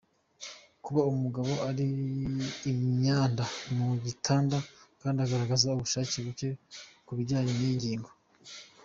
Kuba umugabo ari inyanda mu igitanda kandi agaragaza ubushake buke kubijyanye niyi ngingo.